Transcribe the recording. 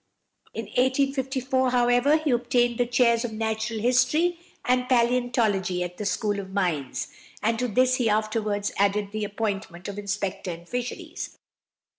In 1854, however, he obtained the chairs of Natural History and Palæontology at the School of Mines, and to this he afterwards added the appointment of Inspector of Fisheries.